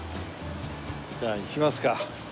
じゃあ行きますか。